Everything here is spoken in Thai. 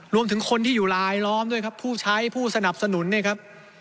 รวมถึงคนที่อยู่รายล้อมด้วยครับผู้ใช้ผู้สนับสนุนเนี่ยครับ